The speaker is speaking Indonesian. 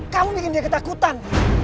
kamu bikin dia ketakutan